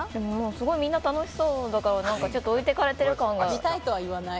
すごいみんな楽しそうだからちょっと置いていかれている感が。